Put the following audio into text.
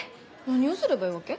何をすればいいわけ？